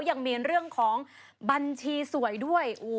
ยังมีเรื่องของบัญชีสวยด้วย